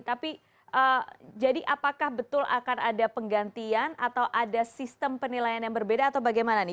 tapi jadi apakah betul akan ada penggantian atau ada sistem penilaian yang berbeda atau bagaimana nih